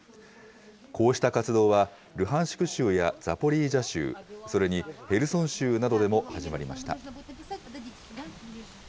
こうした活動は、ルハンシク州やザポリージャ州、それにヘルソン州などでも始まりました。